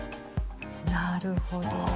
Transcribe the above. なるほど。